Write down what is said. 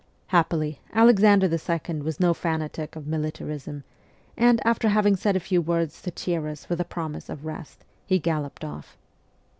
Happily, Alexander II. was no fanatic of militarism, and, after having said a few words to cheer us with a promise of rest, he galloped off.